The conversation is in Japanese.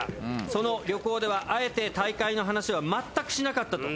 その旅行ではあえて大会の話は全くしなかったと。